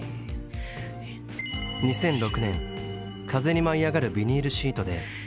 ２００６年「風に舞いあがるビニールシート」で直木賞を受賞。